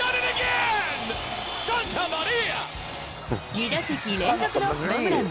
２打席連続のホームラン。